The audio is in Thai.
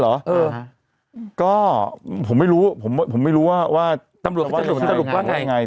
เหรอเออก็ผมไม่รู้ผมผมไม่รู้ว่าว่าตำรวจว่าตำรวจว่าไง